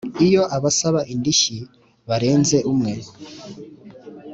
Iyo abasaba indishyi barenze umwe